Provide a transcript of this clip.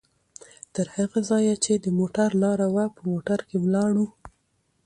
تر هغه ځایه چې د موټر لاره وه، په موټر کې ولاړو؛